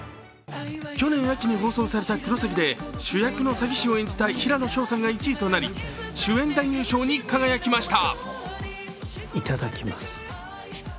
去年秋に放送された「クロサギ」で主役の平野紫耀さんが１位となり主演男優賞に輝きました。